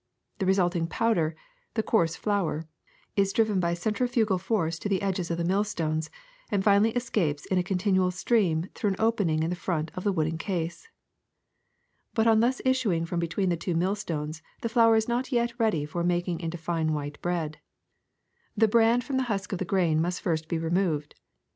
The resulting powder, the coarse flour, is driven by centrifugal force to the edges of the millstones, and finally escapes in a continual stream through an opening in the front of the wooden case. ^' But on thus issuing from between the millstones the flour is not yet ready for making into fine white THE GRIST MILL 259 bread ; the bran from the husk of the grain must first be removed.